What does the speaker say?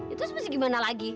itu seperti bagaimana lagi